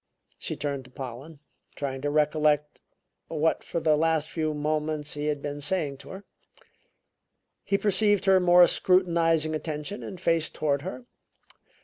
She turned to Pollen, trying to recollect what for the last few moments he had been saying to her. He perceived her more scrutinizing attention and faced toward her.